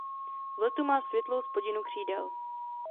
V letu má světlou spodinu křídel.